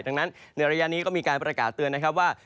ดังนั้นในระยะนี้ก็มีการประกาศเตือนนะครับว่า